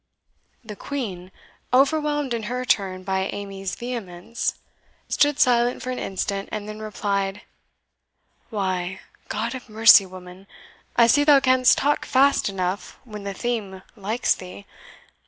The Queen, overwhelmed in her turn by Amy's vehemence, stood silent for an instant, and then replied, "Why, God ha' mercy, woman! I see thou canst talk fast enough when the theme likes thee.